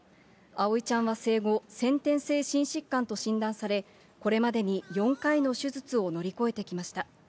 葵ちゃんは生後、先天性心疾患と診断され、これまでに４回の手術を乗り越えてきました。